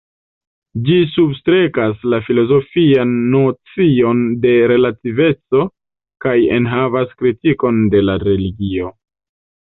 Ĝi substrekas la filozofian nocion de relativeco kaj enhavas kritikon de la religio.